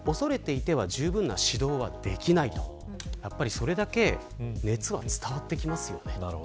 それだけ熱は伝わってきますよね。